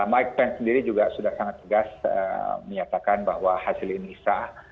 mike pence sendiri juga sudah sangat tegas menyatakan bahwa hasil ini sah